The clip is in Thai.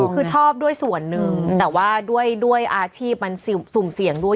คือชอบด้วยส่วนหนึ่งแต่ว่าด้วยอาชีพมันสุ่มเสี่ยงด้วย